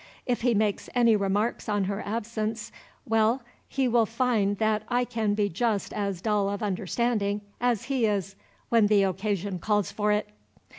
If he makes any remarks on her absence well, he will find that I can be just as dull of understanding as he is when the occasion calls for it."